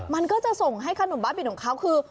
มันก็จะส่งให้ขนมบ้าบินของเขาคือ